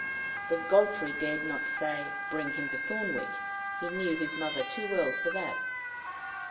But Godfrey dared not say, "Bring him to Thornwick": he knew his mother too well for that!